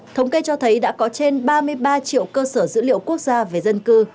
thống kê cho thấy đã có trên ba mươi ba triệu cơ sở dữ liệu quốc gia về dân cư